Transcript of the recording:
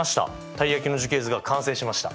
たい焼きの樹形図が完成しました。